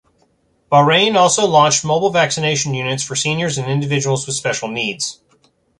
Bahrain also launched mobile vaccination units for seniors and individuals with special needs.